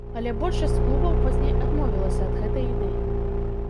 Але большасць клубаў пазней адмовілася ад гэтай ідэі.